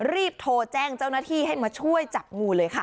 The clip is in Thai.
รีบโทรแจ้งเจ้าหน้าที่ให้มาช่วยจับงูเลยค่ะ